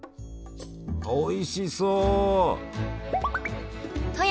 おいしそう！